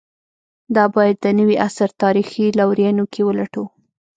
دا باید د نوي عصر تاریخي لورینو کې ولټوو.